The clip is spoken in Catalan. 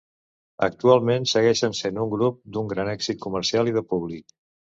Actualment, segueixen sent un grup d'un gran èxit comercial i de públic.